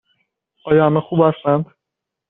آیا همه خوب هستند؟